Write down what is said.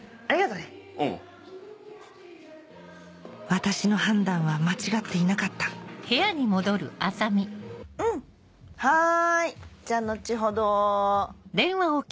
私の判断は間違っていなかったうんはいじゃあ後ほど。